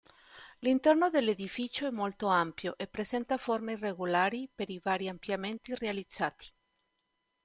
L'interno dell'edificio è molto ampio e presenta forme irregolari per i vari ampliamenti realizzati.